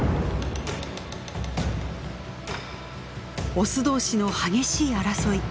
オス同士の激しい争い。